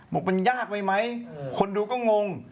บอกว่ามันยากไหมคนดูก็งง